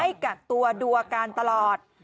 กักตัวดูอาการตลอด